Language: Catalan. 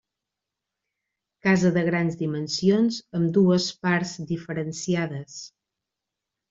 Casa de grans dimensions amb dues parts diferenciades.